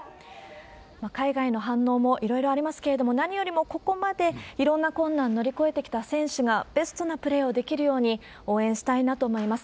海外の反応もいろいろありますけれども、何よりもここまでいろんな困難を乗り越えてきた選手がベストなプレーをできるように、応援したいなと思います。